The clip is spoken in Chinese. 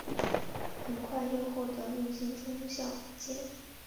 很快又获授陆军中校衔。